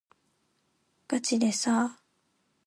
がちでさ